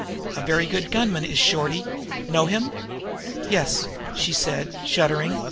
A very good gunman is Shorty. Know him?" "Yes," she said, shuddering.